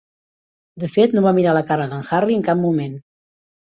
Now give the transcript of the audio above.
De fet, no va mirar la cara d'en Harry en cap moment.